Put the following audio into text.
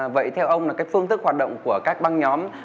vậy theo ông là cái phương thức hoạt động của các băng nhóm